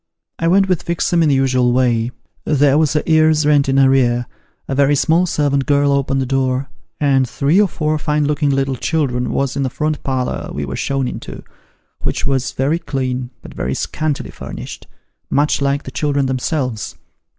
I went with Fixem in the usual way there was a year's rent in arrear ; a very small servant girl opened the door, and three or four fine looking little children was in the front parlour we were shown into, which was very clean, but very scantily furnished, much like the children themselves.